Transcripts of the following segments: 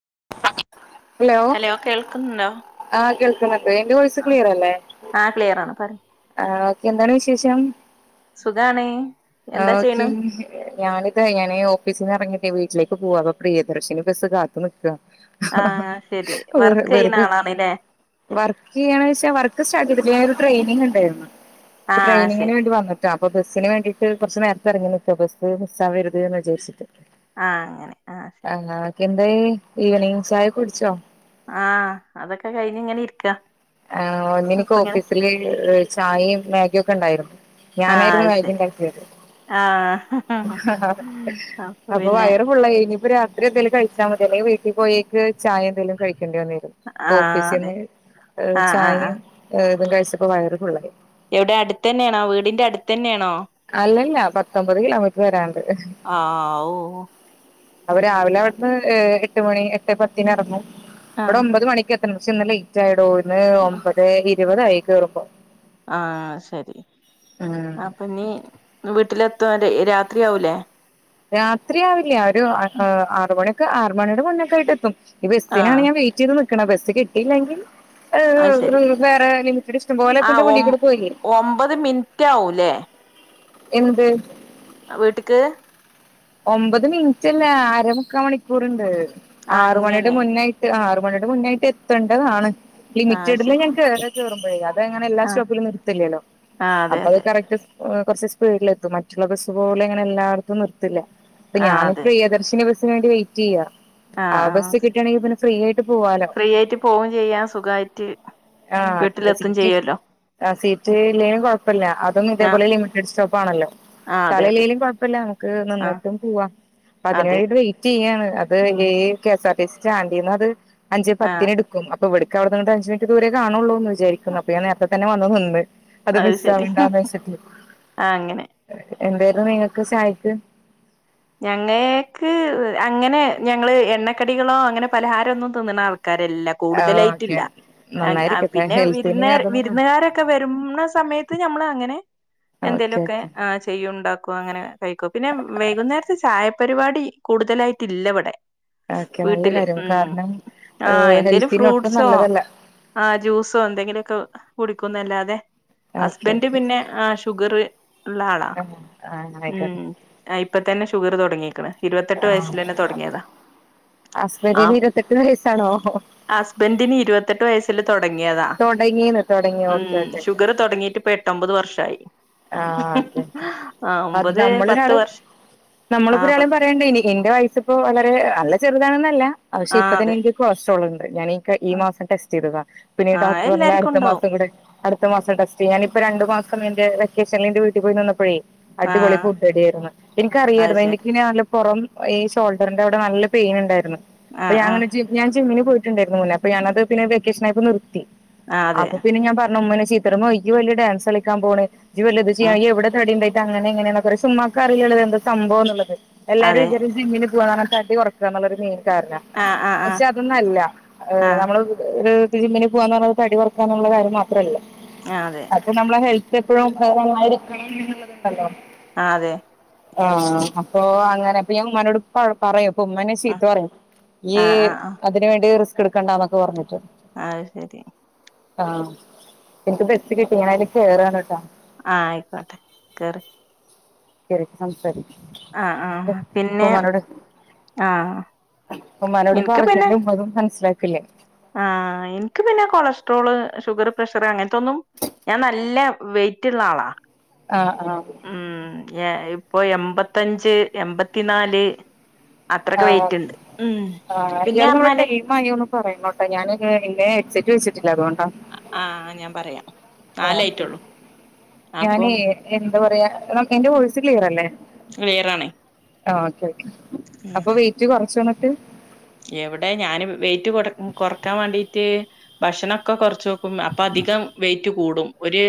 [unintelligible] Hello കേൾക്കുന്നുണ്ടോ ആകേൾക്കനുണ്ട് എന്റെ വോയിസ്‌ ആഹ് ക്ലിയർ അല്ലേ ആഹ് ക്ലിയറാണ് പറയ് ആ എന്താണ് വിശേഷം സുഖാണേ ആ ഓക്കേ ഞാനിതാ ഞാനേ ഓഫീസിന്ന് ഇറങ്ങിയിട്ടേ വീട്ട വിട്ടിലേക്ക് പോവാ പ്രിയദർശന ബസ് കാത്ത് നിൽക്ക അ ആഹ് ശരി ഹ വർക്ക് ചെയ്യ്ണ വെറുതെ ആളാണ്ല്ലേ വർക്ക് ചെയ്യണെച്ച വർക്ക് സ്റ്റാട്ട് ചെയ്തിട്ടില്ലേ [unintelligible] ട്രെയിനിങ് ഇണ്ടായിരുന്നു അപ്പ ആഹ് ശരി ട്രെയിനിങ്ങിനുവേണ്ടി വന്നികാ അപ്പൊ ബസിന് വേണ്ടി കുറച്ച് നേരത്തെറങ്ങി നിക്കാ ബസ് മിസ്സാവരുത് എന്ന് വിചാച്ചിട്ട് ആഅങ്ങനെ ആഹ് ശരി എന്തായി ഈവെനിംഗ് ചായ കുടിച്ചോ ആ അതൊക്കെ കഴിഞ്ഞ് ഇങ്ങനെ ഇരിക്ക ആ ഒന്നിനക്ക് ഓഫീസില് ചായയും മാഗിയൊക്കെ ഉണ്ടായിരുന്നു ആഹ് ഞാനായിരുന്നു അത് ശരി നൈകന്റെത് ആഹ് അപ്പൊ വയറ് ഫുള്ളായി അപ്പ രാത്രിൽ എന്തേലും കഴിച്ചാ മതില്ലെങ്കിൽ വീട്ടിൽ പോയേക്ക് ചായ എന്തങ്കലും കഴിക്കും ണ്ടി വന്നരും ആഹ് അതെ ഓഫീസിന്ന് ആഹ് ആഹ് ചായയും ആഹ് ഇതും കഴിച്ചപ്പോ വയറ് ഫുള്ളായി എവിടെ അടുത്ത് തന്നെയാണോ വീടിന്റെ അടുത്ത് തന്നെയാണോ അല്ലല്ല പത്തൊമ്പത് കിലോമീറ്റർ വരാണ്ട് ആഹ് ഓഹ് അപ്പ രാവിലെ അവിടുന്ന് ഏട്ട് എട്ട് മണി എട്ട് പത്തിന് ഇറങ്ങു ഇവിടെ ആഹ് ഒമ്പത് മണിക്ക് എത്തണം പക്ഷെ ഇന്ന് ലേറ്റ് ആയിടോ ഇന്ന് ഒമ്പത് ഇരുപത് ആയി കറുമ്പോ ആഹ് ശരി ഉം അപ്പൊ നീ വീട്ടിലെ വരാൻ രാത്രിയാവുലേ രാത്രി ആവില്ല ഒരു ആറുമണിയക്ക് ആറു മണിയുടെ മുന്നക്കെ ആയിട്ടെത്തും ഈ ബസ്സിനാണ് ആഹ് ഞാൻ വെയിറ്റ് ചെയ്ത് നിക്കണ ബസ് കിട്ടയില്ലെങ്കിൽ ഏ അത് ശരി വേറെ ലിമിറ്റഡ് ഇഷ്ടം പോലെപ്പ ആ എന്റെ ഒം മുന്നിക്കൂടെ പോയി ഒമ്പത് മിനിറ്റ് ആവൂലേ എന്ത് വീട്ടിക്ക് ഒമ്പത് മിനിറ്റ്ല്ല അരമുക്കാ മണിക്കൂർണ്ട് ആ ആറുമണിയുടെ അങ്ങനെ മുന്നായിട്ട് ആറു മുന്നട്ട് എത്തേണ്ടതാണ് ആ ലിമിറ്റഡില് ശരി ഞൻ ചോറുമ്പോഴേ അത് അങ്ങനെ എല്ലാ ആ സ്റ്റോപ്പിലും നിർത്തില്ലല്ലോ ആ അതെ അപ്പൊ അത് അതെ കറക്റ്റ്- കുറച്ച് സ്പീഡിൽ എത്തും മറ്റുള്ള ബസ്സ് പോലെ ഇങ്ങനെ എല്ലാടുത്തും നിർത്തില്ല അപ്പൊ ആ ഞാനിപ്പോ അതെ പ്രിയദർശിനി ബസ്സിന് വേണ്ടി വെയിറ്റ് ചെയ്യാ ആ ബാസ്സ് കിട്ടുകയാണെങ്കി പിന്നെ ഫ്രീ ആയിട്ട് പോവാലോ ഫ്രീ ആയിട്ട് പോവും ചെയ്യാം സുഖായിട്ട് ആ വീട്ടിലെത്തും സിറ്റ് ചെയ്യല്ലോ ആ സീറ്റ് ഇല്ലേലും കൊഴപ്പില്ല അതൊന്നും ആ ഇതേപോലെ ലിമിറ്റിഡ് സ്റ്റോ- ആണല്ലോ ആ അതെ അതെ സ്ഥലംഇല്ലേലും കൊഴപ്പില്ല ആ നിന്നിട്ടും പോവാ അതെ അതിനെവേണ്ടിട്ട് വെറ്റ് ചെയ്യണ് അത് ഉം കെ- എസ്ആർടിസി സ്റ്റാന്റിന്ന് അത് അഞ്ച് ആ പത്തിന്ടുക്കും അപ്പൊ ഇവിടുക്ക അവിടെ നിന്ന് അഞ്ച് മിനിറ്റ് ദൂരെ കാണുള്ളൂ എന്ന് വിചാരിക്കുന്നു അപ്പ ഞാൻ നേരത്തെ തന്നെ വന്ന് നിന്ന് അത് മിസ് ആവണ്ടന്ന് വെച്ചിട്ട് ആ അങ്ങനെ എന്താ - അ നിങ്ങൾക്ക് ചായക്ക് ഞങ്ങൾക്ക് അങ്ങനെ ഞങ്ങള് എണ്ണക്കടികളോ അങ്ങനെ പലഹാരം ഒന്നും തിന്നണ ആൾ- ആക്കാരല്ല ആഹ് ഓക്കെ കൂടുതലായിട്ടില്ല ആ നന്നായിരിക്കട്ടെ പിന്നെ വിരുന്ന ഹെൽത്തിന് അതൊന്നും വിരുന്നുകാരൊക്കെ വരുന്ന സമയത്ത് ഞമ്മള അങ്ങനെ ഓക്കെ എന്തേങ്കലുമൊക്കെ ഓക്കെ ആ ചെയ്യ ഉണ്ടാക്കോ അങ്ങനെ കഴിക്കോ പിന്നെ വൈകുന്നേര ചായ പരിപാടി കൂടുതലായിട്ട് ഇല്ലവിടെ ഓക്കെ നല്ല വീട്ടില് കാര്യം ഉം കാരണം ആഹ എന്തേലും ഹെൽത്തിന് ഒട്ടും ഫ്രൂട്ട്സോ- നല്ലതല്ല ആഹ ജ്യൂസോ എന്തെങ്കിലുമൊക്കെ കുടിക്കുന്നല്ലാതെ ഓക്കെ ഹസ്ബൻഡ് ഓക്കെ പിന്നെ ആ ഷുഗർ ഉള്ള ആളാ ആഹ് ആഹ് ആയിക്കോട്ടെ മ്മ് ഇപ്പാ- ഷുഗർ തുടങ്ങിക്കാണ് ഇരുപത്തെട്ട് ആഹ് വയസ്സൽ തന്നെ തുടങ്ങിയതാ ആ ഹസ്ബന്റിന് ഇരുപത്തെട്ട് വയസ്സാണോ ഹസ്ബൻഡന് ഇരുപത്തെട്ട് വയസി - തുടങ്ങിയതാ തൊടങ്ങീന്ന് തൊടങ്ങി ഉം ഓക്കെ ഓക്കെ ഷുഗർ തുടങ്ങിട്ട് ഇപ്പ എട്ടൊമ്പത് വർഷമായി ആഹ അതെ ആഹ് അത് ഒമ്പത് പത്ത് നമ്മളിനള് വർഷം നമ്മളിപ്പോ ആഹ് ഒരാളെയും പത്ത് പറയണ്ടേ ഇനി എന്റെ വയസി ഇപ്പോ വളരെ നല്ല ചെറുതാണെന്നല്ല പക്ഷെ ഇപ്പ ആഹ് തന്നെ അതെ എനിക്ക് കൊളസ്ട്രോളിണ്ട് ഞാനി കാ ഈ മാസം ടെസ്റ്റ് ചെയ്തതാ പിന്നെ ആഹ് ഡോക്ടർ പറഞ്ഞ് എല്ലാർക്കും അടുത്ത ഉണ്ടാവും മാസം കൂടെ അടുത്ത മാസം ടെസ്റ്റ് ഞാനിപ്പൊ രണ്ട് മാസം എന്റെ വെക്കേഷനില് എന്റെ വീട്ടിൽ പോയി നിന്നപ്പോഴേ അടിപൊളി ആഹ് ഫുഡാഡിയായിരുന്ന് അത് എനിക്കറിയാായിരുന്നു ശരി എനിക്കിന പൊറം- ഈ ഷോൾഡറിന്റെ അവിടെ നല്ല പെയിൻ ഉണ്ടായിരുന്നു അപ്പാ ആഹ് ആഹ് ഞാങ്ങനെ ഞാൻ ജിമ്മിന് പോയിട്ടുണ്ടായിരുന്നു അ ഞാനത് പിന്നെ വെക്കേഷനായിപ്പോ നിർത്തി ആഹ് അതെ അപ്പൊ പിന്നെ ഞാ പറഞ്ഞു ഉമ്മ - ചിത്താറായും നി വലിയ ഡാൻസ് കളിക്കാ പോകണേ ഉം എവിടെ തടിണ്ടാ- അങ്ങനെങ്ങെയന്നക്കെ ഉമ്മാക്ക് അറിയില്ലോള്ളത് എന്ത സംഭവം എന്നുള്ളത് എല്ലാരും അതെ വിചാരം ജിമ്മിന് പോകാന്ന് തടി കുറക്കാന്നുള്ളൊരു മെയിൻ കാരണ ആഹ് ആഹ് ആഹ് പക്ഷെ അതൊന്നല്ല ഇഹ് ആഹ് നമ്മള് ര് ജിമ്മന് പോന്ന് പറണത് തടികൊറക്കാനു ള്ള കാര്യ മാത്രെള്ള ആഹ് അതെ അത് നമ്മളെ ഹെ ഇപ്പോഴും വേറെമായിരി കാണ്ന്നുള്ളത് ണ്ടല്ലോ ആ അതെ ആഹ അപ്പൊ അങ്ങനെ ഇപ്പിയും മ്മാനോട് പറ് പറയും പ്പൊ ഉമ്മാനെ ഉം സീത്ത പറയും ഈ ആഹ് ആഹ് അതിന് വേണ്ടി റിസ്ക് എടുക്കണ്ടാന്നൊക്കെ പറഞ്ഞിട്ട് ആഹ ത് ശരി ആഹ എനിക്ക് ബസ് കിട്ടി ഞായില് കെറാണ് കേട്ട്വ ആഹ ആയിക്കോട്ടെ കേറ് കേറിസം സെരി ആഹ ആഹ പിന്നെ ആഹ ഉമ്മാനോട് പറഞ്ഞാലും ഉമ്മതും മനസ്സിലാക്ക ആ എനക്ക് പിന്നെ കൊളസ്ട്രോള് ഷുഗർ പ്രഷർ അങ്ങനത്തൊന്നും ഞാൻ നല്ല വെയിറ്റള്ള ആളാ ആഹ ആഹ ഞായ് ഇപ്പൊ എമ്പത്തഞ്ച് എൺമ്പത്തിനാല് അത്രൊക്കെ വെയിറ്റ് ഇണ്ട് ഉ ആ എവ്ട്ന്ന്വൊട്ടെ എയിം ആയോന്ന് പറയന്നോട്ടെ ഞാന് കേ എന്റെ എക് സെക്കു സ് അ ആഹ ഞാൻ പറയാം ആ നാലായിട്ടുള്ളൂ ഞാന് അപ്പം എന്താ പറയാ എന്റെ വൊഴ്‌സ് ക്ലിയർല്ലേ വേറാണെ ആ ഓക്കെ അപ്പൊ വെയിറ്റ് കൊറച്ച് വന്നിട്ട് എവിടെ ഞാന് വെയിറ്റ് കൊറ കൊറക്കാൻ വേണ്ടീട്ട് ഭക്ഷണൊക്കെ കൊറച്ച് ക്കും അപ്പ അധികം വെയിറ്റ് കൂടും ഒരു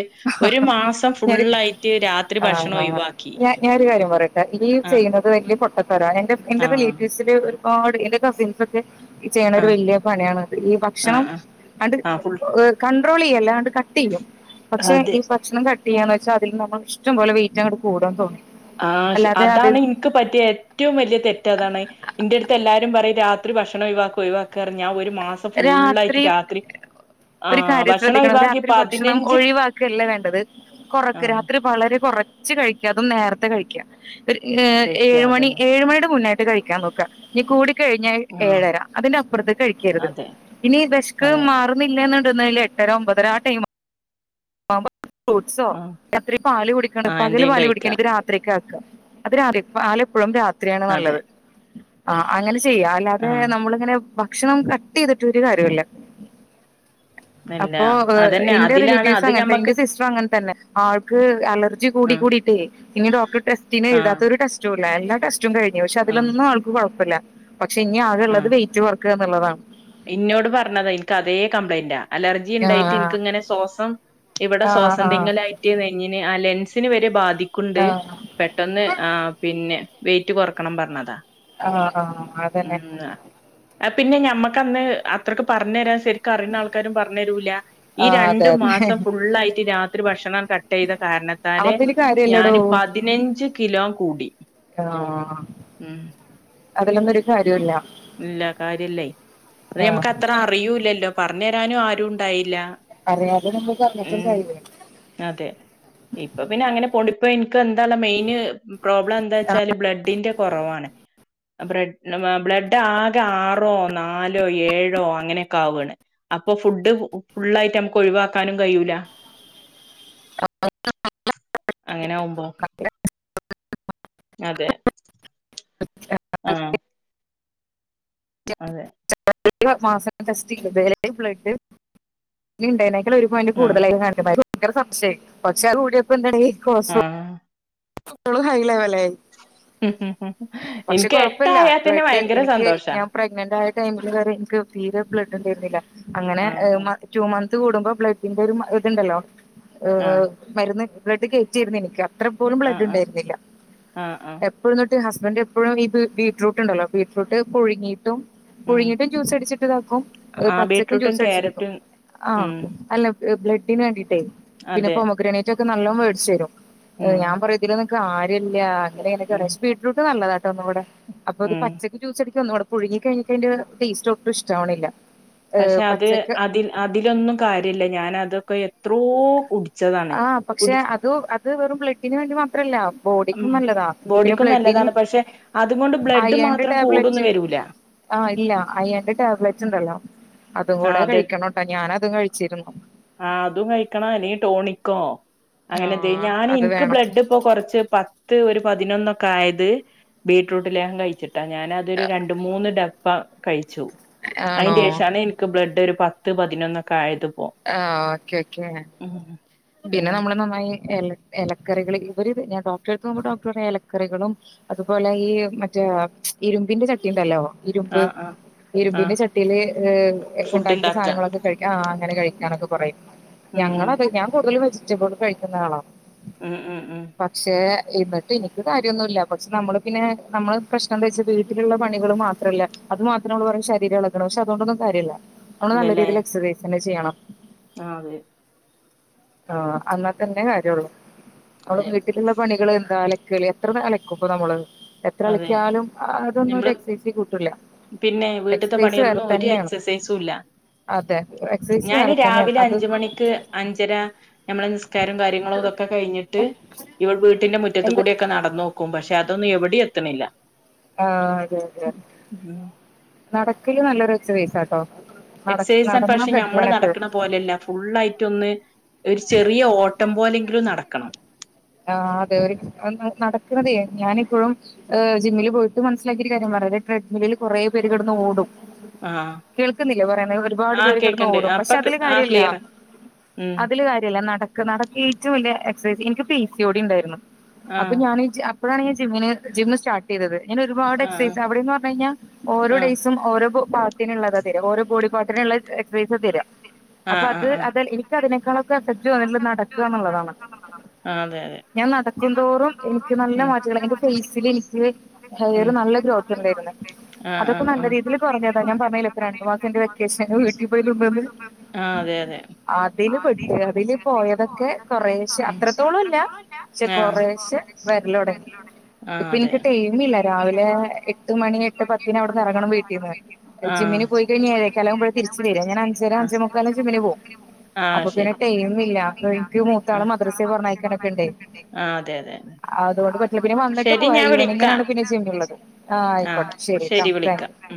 ഒരു മാസം ഞാനൊരു ഫുള്ളായിട്ട് രാത്രി ആഹ് ഭക്ഷണം ഒഴിവാക്കി ഇവ് ആഹ് ചെയ്യുന്നത് എങ്കി പൊട്ടത്തര എന്റെ എന്റെ ആഹ് റിലേറ്റീവ്സില് ഒരുപാട് എന്റെ കസിൻസ് ഒക്കെ ചെയ്യണ ഒരു ആഹ് വലിയ പണിയണത് ഈ ആഹ് ഭക്ഷണം ആഹ് കണ്ട് ആഹ് ഫുൾ ഗ് ക ട്രോളീ അല്ലാണ്ട് കട്ട് എയ്യും പക്ഷെ അതെ ഇ ഭക്ഷണം കട്ട് ചെയന്ന് ക്ഷാ അതിൽ നിന്ന് ഒർണം ഇഷ്ട്ടം പൊലെ വെഇഘ്ടറ്റ് അങ്ങട്ട് കൂടാ തോന്നാ ആ ശ് അതാണ് ഇൻക്ക് പറ്റിയ ഏറ്റവും വലിയ തെറ്റ് അതാണ് ഇന്റെ എടത്ത് എല്ലാരും പറയറ്റെ ആ ത് രു ഭക്ഷണം ഒഴിവാക്കു ഒഴിവാക്കട ഞ്ഞാ ഒരു മാസം രാത്രി ഫുള്ളായിട്ട് രാത്രി ഒരു ആഹ് കാര്യം ഭക്ഷണം ശ്രദ്ധിക്കണം ഒഴിവാക്കി രാത്രി ഭക്ഷണം പതിനഞ്ച് ഒഴിവാക്കെ അല്ല വേണ്ടത് കൊറക്ക് ആഹ് രാത്രി വളരെ പ കൊറച്ച് കഴിക്കാ അമ് നേരത്തെ കഴിക്കാ ഒര് ഏ കഴിക്ക ഏഴ്‌ മണി അതന്നെ ഏഴ് മണിടെ മുന്നേട്ട് കഴിക്കാൻ നോക്ക ഇനി കൂട കഴിഞ്ഞ ആഹ് ഏഴര അതിന്റെ അപ്പുറത്ത് കഴിക്കരുത് അതെ ഇനി വെശ്ക്ക് അതെ മാറുന്നില്ലന്ന് ട്ട് ന്നെല്ല് എട്ടരാ ഒമ്പതരാ ആ ടൈമ് ഓം ഫ്രൂട്ട്സോ ആഹ് രാ ത്രി പാല് കുടിക്കാണ്ട് ആഹ് പകല് എന്തേം പാല് കഴിക്ക കുടിക്കാന് ഇത് രാത്രിക്കെ അത് രാദേവ് പാല് ഇപ്പഴും രാത്രിയാണ് അതെ നല്ലത് ആ അങ്ങനെ ചെയ്യാ അല്ലാതെ ആഹ് നമ്മളിങ്ങനെ ഭക്ഷണം കട്ട് ചെയ്തിട്ട് ഒരു കാര്യല്ല ഇല്ല അപ്പോൊ എ അതന്നെ എന്റെ റിലേ അതിലാണ് അത് അങ്ങനത്തെ ഞമ്മക്ക് എന്റെ സിസ്റ്റർ അങ്ങനെ തന്നെ ആൾക്ക് അലർജി കൂടി ആഹ് കൂടിയിട്ടേ ഇനി ഡോക്ടർ ടെസ്റ്റിനെ ആഹ് എഴുതാത്തൊരു ടെസ്റ്റ് ക്കുല്ലാ എല്ലാ ടെസ്റ്റും കഴ്‌ഞ്ഞ പക്ഷെ ആഹ് അതിലൊന്നും ആൾക്ക് കൊഴപ്പല്ല പക്ഷെ ഇനി ആകെള്ളത് ആഹ് വെയിറ്റ് കൊറേക്കാ എന്നുള്ളതാണ് ഇന്നോട് പറഞ്ഞതാ എൻക്ക് അതേ കംപ്ലൈന്റാ അലർജി ഇണ്ടായിട്ട് ആഹ് എനക്ക് ഇങ്ങനെ ശ്വാസം എവിടെ ആഹ് ശ്വാസം തിങ്ങലായിട്ട് വഞ്ഞെന്ന് ആ ലെൻസ ത്തിന് വരെ ബാധിക്കുണ്ട് ആഹ് ആഹ് പെട്ടെന്ന് ആ പിന്നെ വെയിറ്റ് കുറക്കണം പറഞ്ഞതാ ആഹ ആഹ് അതന്നെ ഉം അത് പിന്നെ ഞമ്മക്കന്ന് അത്രയ്ക്ക് പറഞ്ഞ് അരാൻ ശരി ക്ക്‌ അറിന്ന ആൾക്കാരും പറഞ്ഞരൂല ഈ ആഹ് അതെ രണ്ടു അതെ മാസം ഫുള്ളായിട്ട് രാത്രി ഭക്ഷണം കട്ട് ചെയ്ത കാരണത്താല് അതില് കാര്യല്ലടോ ഞാന് പതിനഞ്ച് കിലോ കൂടി ആഹ് ഉം അതിലൊന്നും ഒരു കാര്യോം ഇല്ല ഇല്ല കാര്യല്ലേ അത് ആഹ് ഞമ്മക്ക് അത്ര അറിയൂല്ലല്ലോ പറഞ്ഞു തരാനും ആരും ഉണ്ടായില്ല അറിയാ ഉം അതെ ഇപ്പൊ പിന്നെ അങ്ങനെ പോണ്ടി ഇപ്പൊ എനിക്ക് എന്താണ് മെയിൻ പ്രോബ്ലം ആ, എന്താച്ചാല് ബ്ലഡിന്റെ കൊറവാണ് ബ്രഡ് ആഹ് ബ്ലഡ് ആകെ ആറോ നാലോ ഏഴോ അങ്ങനെയൊക്കെ ആവാണ് അപ്പൊ ഫുഡ് ഫ് ഫുള്ളായിട്ട് നമ്മക്ക് ഒഴിവാക്കാനും കഴിയൂല [unintelligible] അങ്ങനെയാകുമ്പോ അതെ [unintelligible] ആഹ് അതെ [unintelligible] മാസം ടെസ്റ്റ് ചെയ്ത് ബ്ലഡ് [unintelligible] [unintelligible] ഒരു പോയിന്റ് ആഹ് കൂടുതലായി കാണി [unintelligible] ഭങ്കര സംശയമായി കൊറച്ചാള് കൂടിയപ്പോ എന്തായി ആഹ് ഓള് ഹൈലെവലായി പക്ഷെ എനിക്ക് കൊഴപ്പല്ല എട്ടായാൽ തന്നെ ബ്ലഡ് ഭയങ്കര എനിക്ക് സന്തോഷാ ഞാൻ പ്രഗ്നന്റ് ആയ ടൈമില് വരെ ഇനിക്ക് തീരെ ബ്ലഡ് ഇണ്ടായിരുന്നില്ല അങ്ങനെ ആഹ് മ റ്റൂ മന്ത് കൂടുമ്പോ ബ്ലഡിന്റെ ഒരു മ ഒരു ഇതുണ്ടല്ലോ ഏഹ് ആ ആഹ് മരുന്ന് ബ്ലഡ് കയറ്റിയിരുന്നു എനിക്ക് അത്ര പോലും ബ്ലഡ് ഡ് ആഹ് ആഹ് ണ്ടായിരുന്നില്ല ആഹ് ആഹ് എപ്പഴും ഇന്നിട്ട് ഹസ് ഹസ്ബൻ്റ് എപ്പഴും ഇത് ബീറ്റ്റൂട്ട് ഉണ്ടല്ലോ ബീറ്റ്റൂട്ട് പുഴുങ്ങിയിട്ടും ഉം പുഴുങ്ങിട്ടും ജ്യൂസ് അടിച്ചിട്ട് ഇതാക്കും ഏഹ് ആ പച്ചക്കും ബീറ്റ്റൂട്ടും ജ്യൂസ് അടിച്ചിട്ടതാക്കും ക്യാരറ്റും ആഹ് ഉം അല്ല ഏഹ് ബ്ലഡിന് വേണ്ടിയിട്ടേ പിന്നെ അതെ പൊമോഗ്രാനേറ്റ് ഒക്കെ നല്ലോം വേടിച്ചു തരും ഉം ഏഹ് ഞാൻ പറ കാര്യല്ലാ അങ്ങനെങ്ങനെയൊക്കെ ഉം പക്ഷെ ബീറ്റ്റൂട്ട് നല്ലതാട്ടോ ഒന്നും കൂടെ അപ്പൊ ഉം പച്ചക്ക് ജൂസടിക്കാൻ ഒന്നൂടെ പുഴുങ്ങി കഴിഞ്ഞിട്ട് അതിന്റെ ടേസ്റ്റ് ഒട്ടും ഇഷ്ട്ടാവണില്ല പക്ഷെ അത് അതിൽ അതിലൊന്നും കാര്യല്ല ഞാൻ അതൊക്കെ എത് എത്രോ കുടിച്ചതാണ് ആ പക്ഷെ കുടി അത് അത് വെറും ബ്ലഡിന് വേണ്ടി മാത്രല്ല ബോഡിക്കും ഉം നല്ലതാ പിന്നെ ബോഡിക്കും ബ്ലഡിന് നല്ലതാണ് പക്ഷെ അതുകൊണ്ട് ബ്ലഡ് അയോൺടെ മാത്രം കൂടൊന്നും ടാബ്ലറ്റ് വരൂല ആഹ് ഇല്ല അയേണിന്റെ ടാബ്ലെറ്റ് ഉം. ഇണ്ടല്ലോ അതും കൂടെ കഴിക്കണട്ടോ ഞാൻ അതും കഴിച്ചിരുന്നു ആഹ് അതും കഴിക്കണം അല്ലേ ടോണിക്കോ അങ്ങനെ എന്തേ ആഹ് ഞാന് അത് ഇനിക്ക് വേണം ബ്ലഡ് ഇപ്പോ കൊറച്ച് പത്ത് ഒരു പതിനൊന്നൊക്കെ ആയത് ബീറ്റ്റൂട്ട് ലേഹം കഴിച്ചിട്ടാ ഞാനത് അതൊരു രണ്ട് മൂന്ന് ഡപ്പ് പ്പ കഴിച്ചു ആണോ അയിന്റെ ശേഷാണ് എനിക്ക് ബ്ലഡ് ഒരു പത്ത് പതിനൊന്നൊക്കെ ആയത് ഇപ്പോ ആഹ് ഓക്കെ ഓക്കേ പിന്നെ അങ്ങനെ നമ്മള് നന്നായി എല എലക്കറികൾ ഇവരിത് ഞാൻ ഡോക്ടറെടുത്ത് പോകുമ്പോ ഡോക്ടർ പറയും എലക്കറികളും അതുപോലെ ഈ മറ്റെ ഇരുമ്പിന്റെ ച ചട്ടിയുണ്ടല്ലോ ഇരുമ്പ് ആഹ് ആഹ് ഇരുമ്പിന്റെ ആഹ് ചട്ടീല് ഏഹ് ഫുഡ് ഇണ്ടാക്കിയ ഇണ്ടാക്കാ സാധനങ്ങളൊക്കെ കഴിക്കാൻ ആഹ് അങ്ങനെ ഉം കഴിക്കാനൊക്കെ പറയും ഉം ഉം ഞങ്ങളത് ഞാൻ കൂടുതലും വെജിറ്റബിൾ കഴിക്കുന്ന ആളാ ഉം ഉം ഉം പക്ഷേ എന്നിട്ട് എനിക്ക് കാര്യൊന്നുല്ല പക്ഷെ നമ്മള് പിന്നെ നമ്മള് പ്രശ്നം എന്താച്ചാ വീട്ടിലുള്ള പണികള് മാത്രല്ല അത് മാത്രം നമ്മൾ പറയും ശരീരം എളകണം പക്ഷെ അതുകൊണ്ടൊന്നും കാര്യല്ല നമ്മള് നല്ല ഇല്ലല്ലേ രീതിൽ എക്സൈസ് തന്നെ ചെയ്യണം ആഹ് അതെ ആഹ് അന്നാതന്നെ കാര്യള്ളൂ നമ്മള് അതെ വീട്ടിലുള്ള പണി കള് എന്താ അലക്കല് എത്ര അലക്കും ഇപ്പൊ നമ്മള് എത്ര അതെ അലക്കിയാലും അതൊന്നും ഒരു ഞമ്മള് എക്സസൈസിൽ കൂട്ടൂല്ല പിന്നെ വീട്ട്ത്തെ പണിയൊന്നും ഒരു എക്സസൈസും ഇല്ല അതെ എക്സസൈസ് ഞാന് വേറെ തന്നെയാണ് രാവിലെ അത് അഞ്ച് മണിക്ക് അഞ്ചര നമ്മളെ നിസ്കാരം കാര്യങ്ങളും ഇതൊക്കെ കഴിഞ്ഞിട്ട് ഇവിടെ വീട്ടിന്റെ മുറ്റത്ത് എന്ത് കൂടെക്കെ നടന്നോക്കും പക്ഷെ പക്ഷെ അതൊന്നും എവിടെം എത്തണില്ല ആ അതെതെ നടക്കില് നല്ലൊരു ഒച്ച പൈസാട്ടോ എക്സസൈസ് പക്ഷെ ഞമ്മള് നടക്കണ പോലെയല്ല ഫുുള്ളയിട്ട് ഒന്ന് ഒരു ചെറിയ ഓട്ടം പോലെങ്കിലും നടക്കണം ആ അതെ ഒരു നടക്കുന്നതേ ഞാന് ഇപ്പം ഹ് ജിമ്മില് പോയിട്ട് മനസ്സിലാക്കിയ കാര്യം അ ട്രഡ്മില്ലിൽ കുറേ പേര് കടന്ന് ഓടും ആഹ് കേൾക്കുന്നില്ലേ പറയുന്ന ഒരുപാട് ആഹ് പേര് കിടന്ന് കേക്ക്ണ്ട് ഓടും പക്ഷെ അപ്പൊ അതില് ആഹ് കാര്യല്ല ക്ലിയറാ ഉം അതില് കാര്യല്ല നടക്ക് നടക്ക ഏറ്റവും വലിയ എക്സൈസ് എനിക്ക് പി സിയോടി ഉണ്ടായിരുന്നു അപ്പൊ ആഹ് ഞാൻ അപ്പോഴാണ് ജിമ്മിന് ജിം സ്റ്റാർട്ട് ചെയ്തത് അങ്ങനെ ആഹ് ഒരുപാട്ക്സൈസ് അവിടെന്ന് പറഞ്ഞു കഴഞ്ഞൽ ഓരോ ആഹ് ഡേഴ്സും ഓരോ ഓരോ ബോഡി പാർട്ടിനുള്ള എക്സസൈസാ തര അ ആഹ് ആഹ് ആഹ് അത് എനിക്കതിനുള്ള സജു നെല്ല നടക്കുകന്നുള്ളതാണ് ആഹ് അതെ അതെ ഞാൻ നടക്കുംതോറും എനിക്ക് നല്ല മാറ്റങ്ങൾ എന്റെ ഫേസിൽ എനിക്ക് ഹെയർ എനിക്ക് നല്ല ഗ്രോത്ത് ഉണ്ട് അതൊക്കെ നല്ല രീതിയിൽ കൊറഞ്ഞത ഞാൻ പറഞ്ഞില്ലെ ഇപ്പ രണ്ടു മാസംന്റെ വെക്കേഷൻന് വീട്ടിൽ പോയി നിന്നത് ആ അതെ അതെ അതില് പട്ടു അതില് പോയതൊക്കെ കൊറേശ അത്രത്തോളംല്ല ആഹ് കുറേശെ വരലോടങ്ങി ആഹ് ഇപ്പൊ അതെ എനിക്ക് ടൈമ് ഇില്ല രാവിലെ എട്ട് മണി എട്ട് പത്തിന് അവിടുന്ന് ഇറങ്ങണം വീട്ടിൽന്ന് ജിമ്മിന് പോയിഴിഞ്ഞ ഏേക്കാലാവകുമ്പഴ തിരിച്ചു വരാ ഞാൻ അഞ്ചരം അഞ്ചുമ മുക്കാലും ജി പോവും ആഹ് അപ്പൊ ശരി പിന്നെ ടൈയിം ഇല്ല എനിക്ക് മൂത്ത ആളെ മദ്രസെ പറഞ്ഞയക്കാനൊക്കെ ഉണ്ടേ ആ അതെ അതെ അതെ അതുകൊണ്ട് പിന്നെ വന്നിട്ട് പോ ഈവെനിംഗ് ഇങ്ങനെയാണ് പിന്നെ ജിമ്മുള്ളത് ആ ആഹ് ആയിക്കോട്ടെ ശരിട്ടാ താങ്ക് യു വിളിക്കാം